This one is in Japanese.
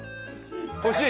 欲しい？